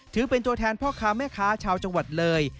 ถือเป็นตัวแทนพ่อค้าแม่ค้าชาวจังหวัดเลย